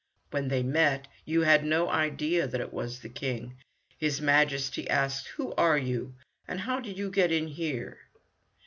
When they met Yoo had no idea that it was the King. His Majesty asked, "Who are you, and how did you get in here?"